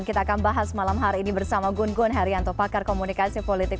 kita akan bahas malam hari ini bersama gun gun herianto pakar komunikasi politik